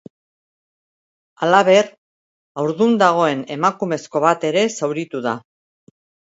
Halaber, haurdun dagoen emakumezko bat ere zauritu da.